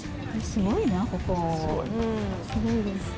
すごいです。